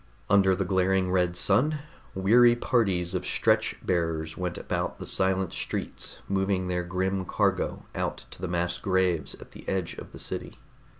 Under the glaring red sun, weary parties of stretcher bearers went about the silent streets, moving their grim cargo out to the mass graves at the edge of the city.